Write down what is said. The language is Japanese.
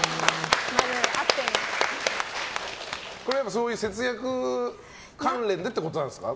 そういう節約関連でってことなんですか？